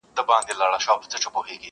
زیارتونه مي کړه ستړي ماته یو نه را رسیږي؛